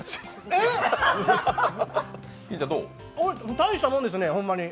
大したもんですね、ホンマに。